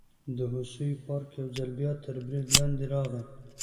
د هوسیو پارک یو ځل بیا تر برید لاندې راغی.